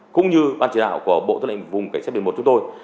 cũng như ban chỉ đạo của bộ tư lệnh vùng cảnh sát biển một chúng tôi